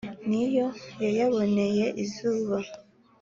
ni yo yayaboneye izuba